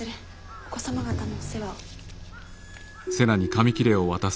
お子様方のお世話を。